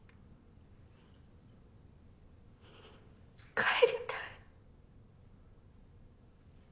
帰りたい。